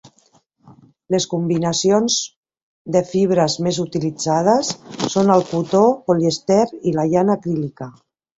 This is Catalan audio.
Les combinacions de fibres més utilitzades són el cotó polièster i la llana acrílica.